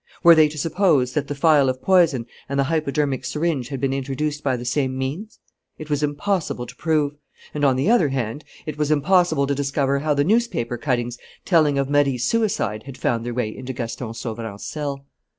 Were they to suppose that the phial of poison and the hypodermic syringe had been introduced by the same means? It was impossible to prove; and, on the other hand, it was impossible to discover how the newspaper cuttings telling of Marie's suicide had found their way into Gaston Sauverand's cell.